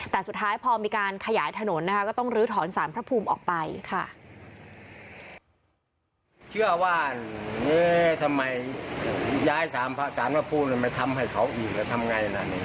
แต่สุดท้ายพอมีการขยายถนนนะคะก็ต้องลื้อถอนสารพระภูมิออกไปค่ะ